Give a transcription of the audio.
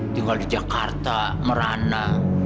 tinggal di jakarta merana